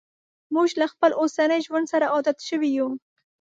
موږ له خپل اوسني ژوند سره عادت شوي یو.